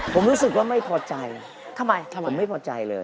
ผมรู้สึกว่าไม่พอใจผมไม่พอใจเลยทำไมทำไม